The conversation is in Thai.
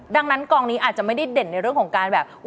ดังนั้นกองนี้อาจจะไม่ได้เด่นในเรื่องของการแบบ